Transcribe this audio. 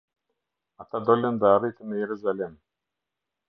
Ata dolën dhe arritën në Jeruzalem.